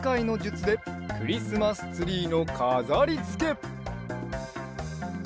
つでクリスマスツリーのかざりつけ。